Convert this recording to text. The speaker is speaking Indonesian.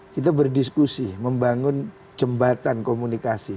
kita berdiskusi membangun jembatan komunikasi